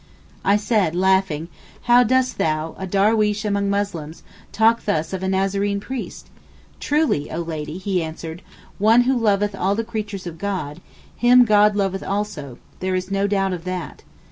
I said laughing, 'How dost thou, a darweesh among Muslims, talk thus of a Nazarene priest?' 'Truly oh Lady,' he answered, 'one who loveth all the creatures of God, him God loveth also, there is no doubt of that.